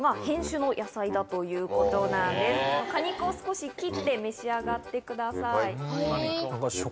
果肉を少し切って召し上がってください。